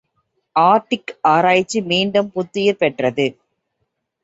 Arctic ஆராய்ச்சி மீண்டும் புத்துயிர் பெற்றது.